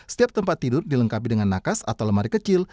setiap tempat tidur dilengkapi dengan nakas atau lemari kecil